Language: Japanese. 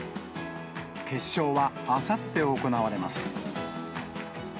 決勝は、あさって行われます。